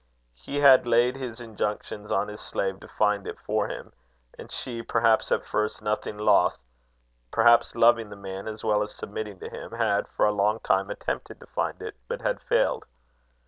He had laid his injunctions on his slave to find it for him; and she, perhaps at first nothing loath, perhaps loving the man as well as submitting to him, had for a long time attempted to find it, but had failed.